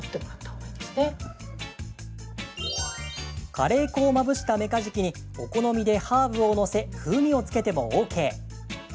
カレー粉をまぶしたメカジキにお好みでハーブを載せ風味を付けてもＯＫ。